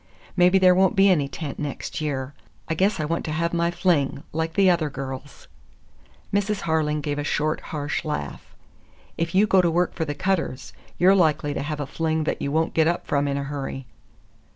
Maybe there won't be any tent next year. I guess I want to have my fling, like the other girls." Mrs. Harling gave a short, harsh laugh. "If you go to work for the Cutters, you're likely to have a fling that you won't get up from in a hurry."